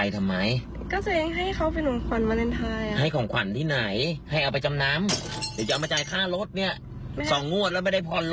ดีมากครับ